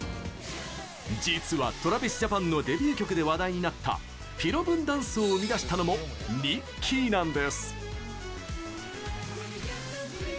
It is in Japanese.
実はＴｒａｖｉｓＪａｐａｎのデビュー曲で話題になったピロブンダンスを生み出したのもニッキーなんです。